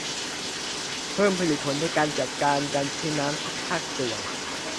เพิ่มผลิตผลในการจัดการการใช้น้ำทุกภาคส่วน